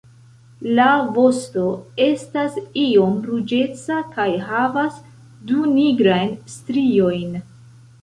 La vosto estas iom ruĝeca kaj havas du nigrajn striojn.